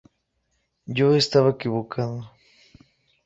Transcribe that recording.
Yo estaba equivocado.